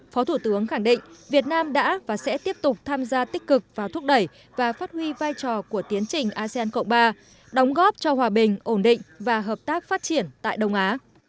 phó thủ tướng khẳng định việt nam đã và sẽ tiếp tục tham gia tích cực vào thúc đẩy và phát huy vai trò của tiến trình asean cộng ba đóng góp cho hòa bình ổn định và hợp tác phát triển tại đông á